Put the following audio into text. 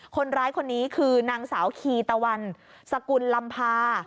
คนร้ายคนนี้คือนางสาวคีตะวันสกุลลำพา